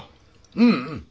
うんうん！